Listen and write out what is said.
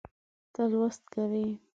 ته لوست کوې